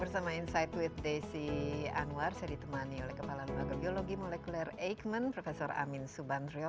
saya ditemani oleh kepala lembaga biologi molekuler eijkman prof amin subandrio